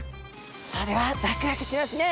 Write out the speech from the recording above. それはわくわくしますね。